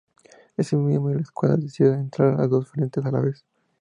Ese mismo año, la escuadra decidió entrar en dos frentes a la vez.